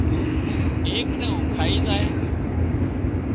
ايڪ نين اُو کائي زائي